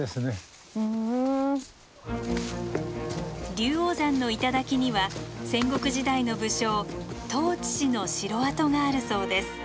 龍王山の頂には戦国時代の武将十市氏の城跡があるそうです。